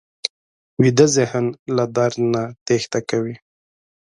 ویده ذهن له درد نه تېښته کوي